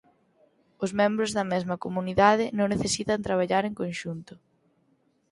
Os membros da mesma comunidade non necesitan traballar en conxunto.